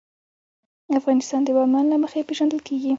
افغانستان د بامیان له مخې پېژندل کېږي.